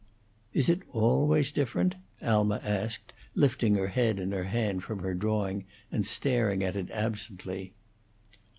"Is it always different?" Alma asked, lifting her head and her hand from her drawing, and staring at it absently.